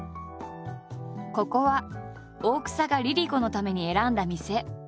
ここは大草がＬｉＬｉＣｏのために選んだ店。